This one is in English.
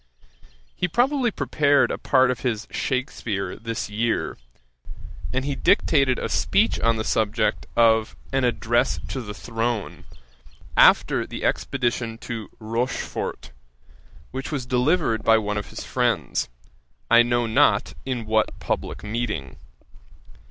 He probably prepared a part of his Shakspeare this year, and he dictated a speech on the subject of an Address to the Throne, after the expedition to Rochfort, which was delivered by one of his friends, I know not in what publick meeting.